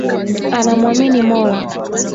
Anamwamini Mola